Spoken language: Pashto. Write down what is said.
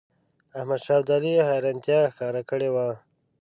احمدشاه ابدالي حیرانیتا ښکاره کړې وه.